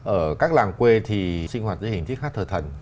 ở các làng quê thì sinh hoạt với hình thức hát thờ thần